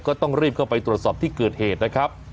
ก็ต้องรีบเข้าไปตรวจสอบที่เกิดเหตุนะครับ